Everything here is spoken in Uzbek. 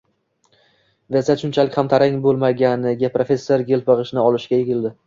Vaziyat unchalik ham tarang bo`lmaganiga professor elpig`ichni olishga egildi